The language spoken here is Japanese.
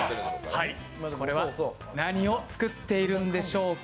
これは何を作ってるんでしょうか？